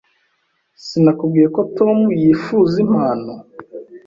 Sinakubwiye ko Tom yifuza impano?